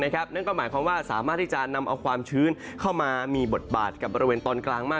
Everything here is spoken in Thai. นั่นก็หมายความว่าสามารถที่จะนำเอาความชื้นเข้ามามีบทบาทกับบริเวณตอนกลางมาก